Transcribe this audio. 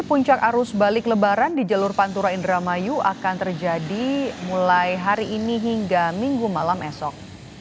puncak arus balik lebaran di jalur pantura indramayu akan terjadi mulai hari ini hingga minggu malam esok